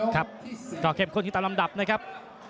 ครับก็เข้มข้นขึ้นตามลำดับนะครับ